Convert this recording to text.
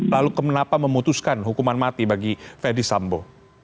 lalu kenapa memutuskan hukuman mati bagi fede sambo